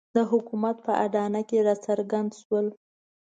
د حکومت په اډانه کې راڅرګند شول.